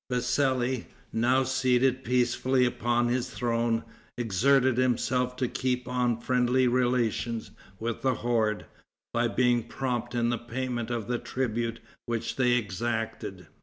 Vassali, now seated peacefully upon his throne, exerted himself to keep on friendly relations with the horde, by being prompt in the payment of the tribute which they exacted.